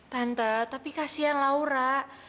tante tapi kasihan laura